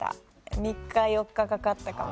３日４日かかったかな